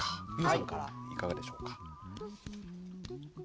ＹＯＵさんからいかがでしょうか。